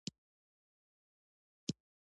افغان حاجیان بې نظمي نه خوښوي.